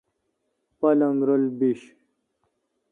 پلنگ رل بیش۔